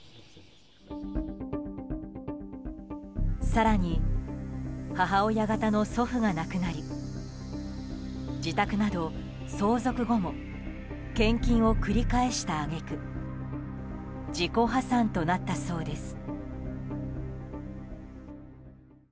更に、母親方の祖父が亡くなり自宅など相続後も献金を繰り返した揚げ句自己破産となったそうです。